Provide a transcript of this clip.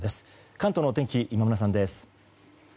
関東の天気、今村さんです。